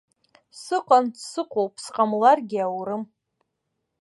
Сыҟан, сыҟоуп, сҟамларгьы аурым.